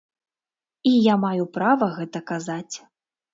І я маю права гэта казаць.